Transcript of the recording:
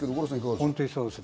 本当にそうですね。